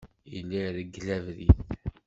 Yella ireggel abrid.